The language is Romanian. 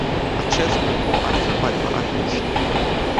Acest lucru ar fi cu adevărat o rușine.